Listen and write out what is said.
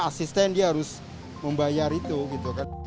asisten dia harus membayar itu gitu kan